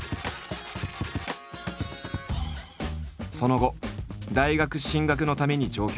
その後大学進学のために上京。